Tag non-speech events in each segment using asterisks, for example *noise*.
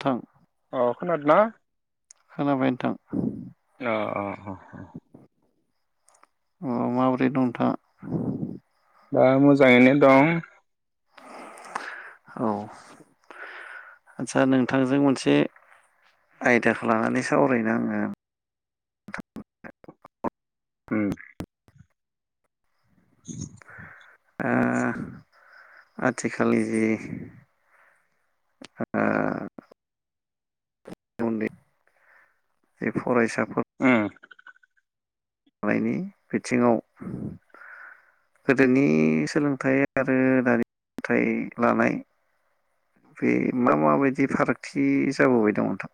थां। अ खोनादों ना। खोनाबाय थां। अ अ अ। अ माबोरै दों नोंथाङा। दा मोजाङैनो दं। औ आचसा नोंथांजों मोनसे आयदाखौ लानानै सावरायनो आंओ। उम। *inaudible* ओ आथिखालनि ओ उन्दै फरायसा। उम लानायनि बिथिङाव गोदोनि सोलोंथाइ आरो दानि सोलोंथाइ लानाय बे मा माबायदि फारागथि जाबोबाय दं नोंथां।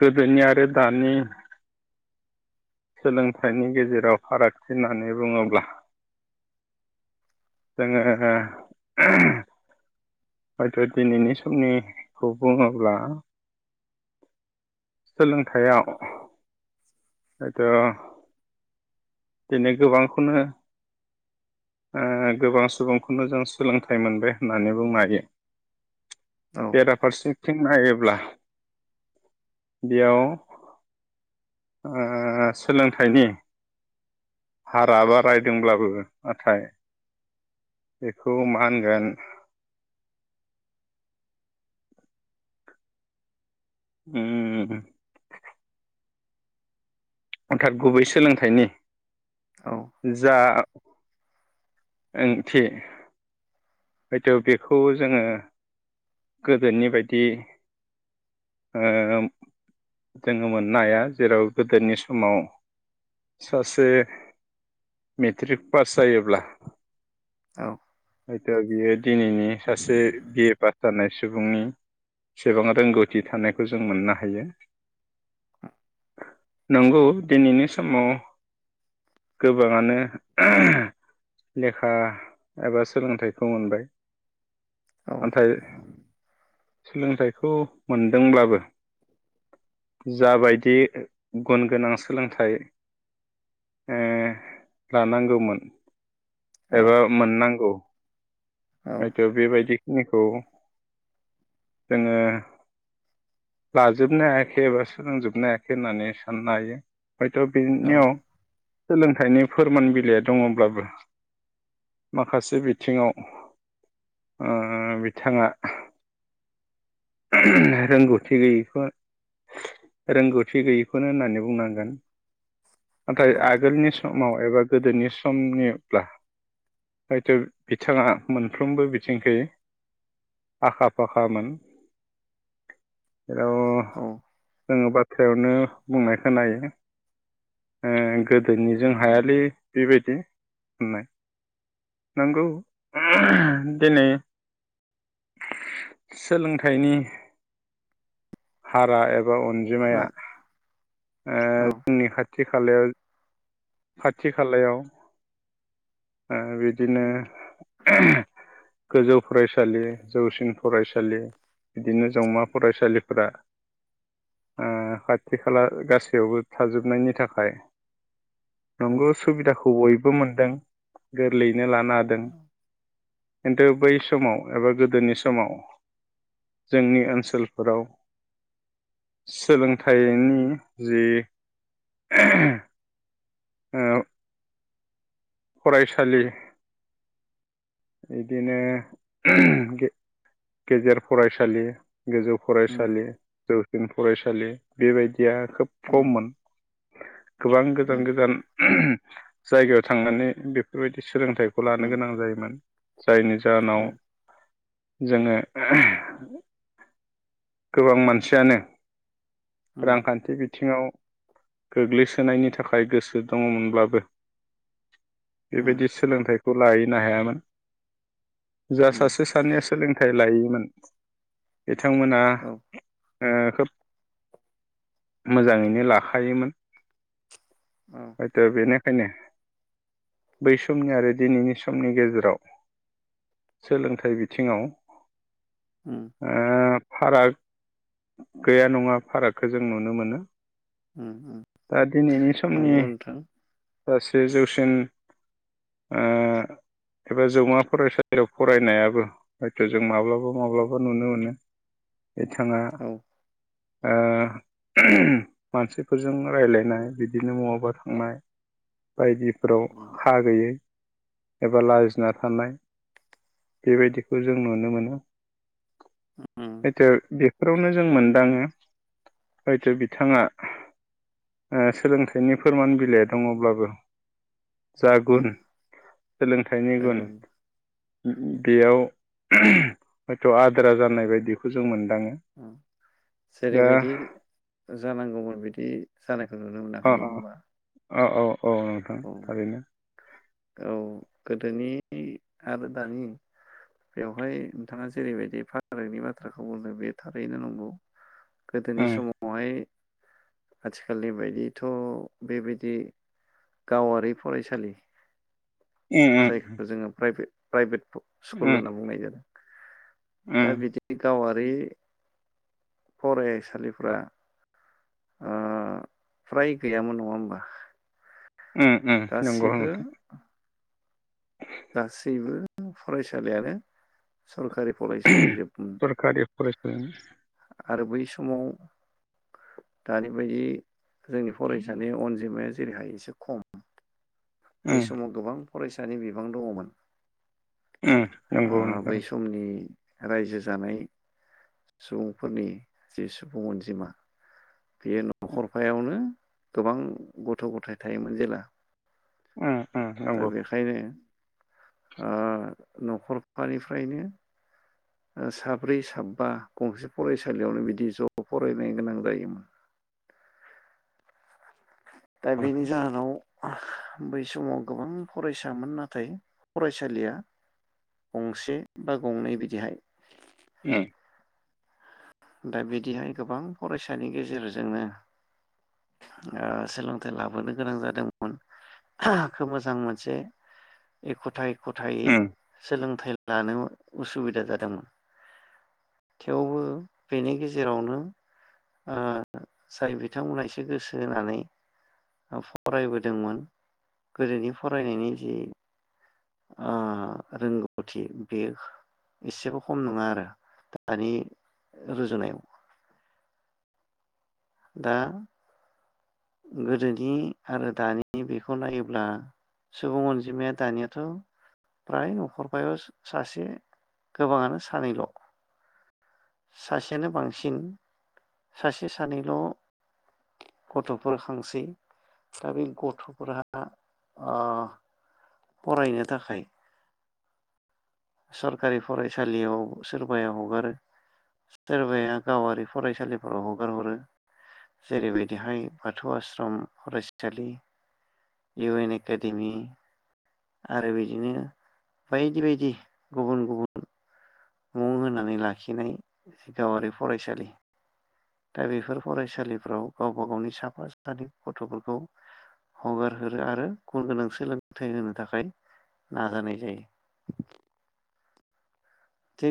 गोदोनि आरो दानि। सोलोंथाइनि गेजेराव फारागथि होननानै बुङोब्ला। जोङो *inaudible* हयथ' दिनैनि समनिखौ बुङोब्ला। सोलोंथायाव। हयथ' दिनै गोबांखौनो गोबां सुबुंखौनो जों सोलोंथाइ मोनबाय होननानै बुंनो हायो। औ बेराफारसेथिं नायोब्ला। बेयाव। सोलोंथाइनि हारा बारायदोंब्लाबो नाथाय बेखौ मा होनगोन। उम। अन्थात गुबै सोलोंथाइनि। औ जा। ओंथि। हयथ' बेखौ जोङो गोदोनि बायदि जोङो मोननो हाया जेराव गोदोनि समाव सासे मेट्रिक पास जायोब्ला। औ हयथ' बियो दिनैनि सासे बिए पास सुबुंनि एसेबां रोंगौथि थानायखौ जों मोननो हायो नंगौ दिनैनि समाव गोबाङानो लेखा एबा सोलोंथाइ खौ मोनबाय। औ ओमफाय सोलोंथाइ खौ मोनदोंब्लाबो जाबायदि गुन गोनां सोलोंथाइनि ओ लानांगौमोन। औ एबा मोननांगौ। औ हयथ' बेबायदि निखौ जोङो लाजोबनो हायाखै एबा सोलोंजोबनो हायाखै होननानै साननो हायो। हयथ' औ बिनियाव। सोलोंथाइनि फोरमान बिलाइया दङब्लाबो माखासे बि बिथिङाव ओ बिथाङा रोंगौथि गैयैखौ रोंगौथि गैयैखौनो होननानै बुंनांगोन। नाथाय औ आगोलनि समाव एबा गोदोनि समनिब्ला हयथ'। बिथाङा मोनफ्रोमबो बिथिंखै आखा फाखामोन। औ। जोङो बाथ्रायावनो बुंनाय खोनायो ओ गोदोनिजों हायालै बेबायदि होननाय नंगौ। *inaudible* दिनै सोलोंथाइनि हारा ए एबा अनजिमाया। खोना ओ औ जोंनि खाथि *unintelligible* खाथि खालायाव। बिदिनो गोजौ फरायसालि जौसिन फरायसालि बिदिनो जौमा फरायसालिफोरा ओ खाथि खाला गासैयावबो थाजोबनायनि थाखाय। औ नंगौ सुबिदाखौ बयबो मोनदों। गोरलैयैनो लानो हादों खिन्थु बै समाव एबा गोदोनि समाव जोंनि ओनसोलफोराव सोलोंथाइनि जि फरायसालि। इदिनो गेजेर फरायसालि। गोजौ उम फरायसालि जौसिन‌ फरायसालि बेबायदि। खोब उम खममोन गोबां उम गोजान गोजान। जायगायाव थांनानै बेफोर बायदि। सोलोंथाइखौ लानो उम गोनां जायोमोन। जायनि औ जाहोनाव। जोङो *unintelligible* गोबां मानसियानो। उम रांखान्थि बिथिङाव गोग्लैसोनायनि थाखाय गोसो दङमोनब्लाबो उम बेबायदि सोलोंथाइ खौ लाहैनो हायामोन। जा उम सासे सानैया सोलोंथाइ लायोमोन बिथांमोना औ खोब मोजाङैनो लाखायोमोन औ हयथ' बेनिखायनो बै समनि आरो दिनैनि समनि गेजेराव सोलोंथाइ बिथिङाव उम ओ फाराग गैया नङा फारागखौ जों नुनो मोनो। उम उम दा दिनैनि समनि नंगौ नोंथां सासे जौसिन ओ एबा जौमा फरायसालियाव फरायनायाबो हयथ' जों माब्लाबा माब्लाबा नुनो मोनो बिथाङा औ ओ मानसिफोरजों रायलायनाय बिदिनो महाबा थांनाय। बायदिफोराव हा गैयै एबा लाजिना थानाय बेबायदिखौ जों नुनो मोनो। उम हयथ' बेफोरावनो जों मोनदाङो हयथ' बिथाङा सोलोंथाइनि फोरमान बिलाइ दङब्लाबो जा गुन सोलोंथाइनि गुन जायग बेयाव हयथ' आद्रा जानाय बायदिखौ जों मो जेरैबायदि जानांगौमोन बिदि जानायखौ नुनो अ मोनाखै नङा होमबा? औ औ औ नोंथां औ थारैनो। औ गोदोनि आरो दानि बेवहाय नोंथाङा जेरैबायदि फारागनि बाथ्राखौ बुंदों बे थारैनो नंगौ। गोदोनि उम समावहाय आथिखालनि बायदिथ' बेबायदि गावारि फरायसालि उम जायखौ जोङो प्राइभेट प्राइभेट स्कुल उम होनना बुंनाय जादों। दा उम बिदि गावा बै फरायसालिफोरा ओ फ्राय गैयामोन नङा होमबा? ओम ओम नंगौ गासिबो नोंथां। गासैबो फरायसालियानो सरकारि सरकारि फरायसालि आरो बै समाव दानि बायदि जोंनि फरायसानि अनजिमाया जेरैहाय एसे खम बै उम समाव गोबां फरायसानि बिबां दङमोन। उम ओ नंगौ बै नोंथां समनि रायजो जानाय सुबुंफोरनि जि सुबुं अनजिमा बे न'खरफायावनो गोबां गथ' गथाय थायोमोन जेला। उम उम दा नंगौ बेखायनो ओ न'खरफानिफ्रायनो साब्रै साबा गंसे फरायसालियावनो बिदि ज' फरायनाय गोनां जायोमोन दा बेनि जाहोनाव बै समाव गोबां फरायसामोन नाथाय फरायसालिया गंसे बा गंनै बिदिहाय उम दा बिदिहाय गोबां फरायसानि गेजेरजोंनो ओ सोलोंथाइ लाबोनो गोनां जादोंमोन खोब मोजां मोनसे एखुथाय। गथायै उम सोलोंथाइ लानो उसुबिदा जादोंमोन थेवबो बेनि गेजेरावनो ओ जाय बिथांमोनहा एसे गोसो होनानै फरायबोदोंमोन गोदोनि फरायनायनि जि ओ रोंगौथि बेयो एसेबो खम नङा आरो दानि रुजुनायाव दा गोदोनि आरो दानि बेखौ नायोब्ला सुबुं अनजिमाया दानियाथफ्राय नखरफायाव सासे गोबाङानो सानैल' सासेयानो बांसिन सासे सानैल गथ'फोर खांसै दा बे गथ'फोरा ओ फरायनो थाखाय सरखारि फरायसालियाव सोरबाया हगारो सोरबाया गावारि फरायसालिफोराव हगारहरो जेरैबायदिहाय बाथौ आसश्रम फरायसालि इउ एन एकाडेमि आरो बिदिनो बायदि बायदि गुबुन गुबुन। मुं होनानै लाखिनाय गावारि फरायसालि दा बेफोर फरायसालिफ्राव गावबा गावनि साफा सानै गथ'फोरखौ हगारहरो आरो गुन गोनां सोलोंथाइ होनो थाखाय नाजानाय जायो।